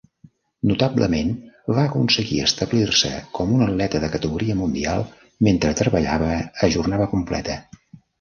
Notablement, va aconseguir establir-se com un atleta de categoria mundial mentre treballava a jornada completa.